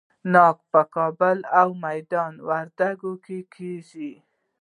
ناک په کابل او میدان وردګو کې کیږي.